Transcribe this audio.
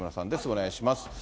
お願いします。